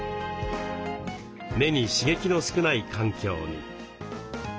目に刺激の少ない環境に。